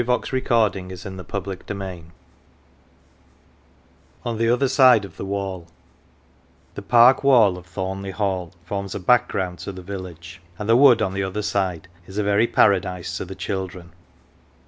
1 '';> 169 ON THE OTHER SIDE OF THE WALL ON THE OTHER SIDE OF THE WALL THE park wall of Thornleigh Hall forms a background to the village, and the wood on the other side is a very paradise to the children.